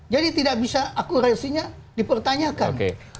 jadi tidak bisa akurasi nya dipertanyakan